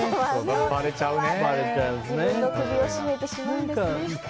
ばれちゃうからね。